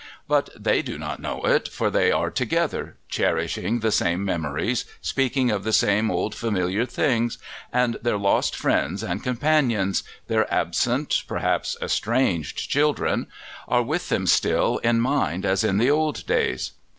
But they do not know it, for they are together, cherishing the same memories, speaking of the same old, familiar things, and their lost friends and companions, their absent, perhaps estranged, children, are with them still in mind as in the old days.